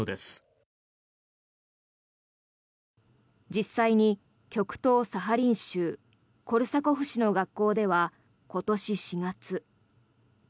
実際に極東サハリン州コルサコフ市の学校では今年４月。